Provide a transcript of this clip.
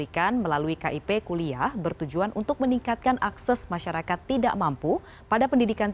kepada kepada kepada